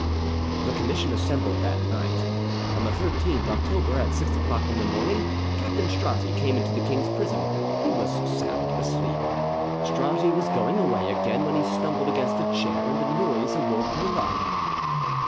The commission assembled that night. On the 13th October, at six o'clock in the morning, Captain Stratti came into the king's prison; he was sound asleep. Stratti was going away again, when he stumbled against a chair; the noise awoke Murat.